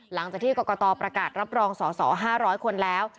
หลังจากที่กรกตประกาศรับรองสอสอ๕๐๐คนแล้ว